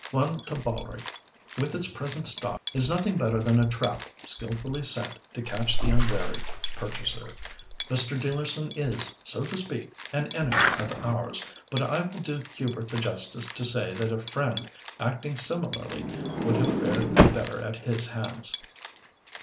Wantabalree with its present stock is nothing better than a trap skilfully set to catch the unwary purchaser. Mr. Dealerson is, so to speak, an enemy of ours, but I will do Hubert the justice to say that a friend acting similarly would have fared no better at his hands."